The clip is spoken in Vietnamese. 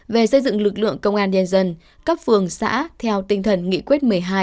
về xây dựng lực lượng công an nhân dân các phường xã theo tinh thần nghị quyết một mươi hai